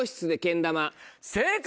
正解！